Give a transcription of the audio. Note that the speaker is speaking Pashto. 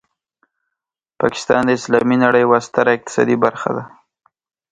پاکستان د اسلامي نړۍ یوه ستره اقتصادي برخه ده.